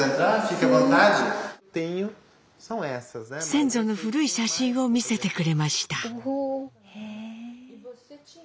先祖の古い写真を見せてくれました。